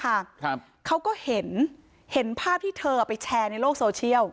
ครับเขาก็เห็นเห็นภาพที่เธอไปแชร์ในโลกโซเชียล